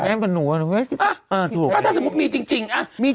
อ่ะถ้ำงั้นหมายถึงจริง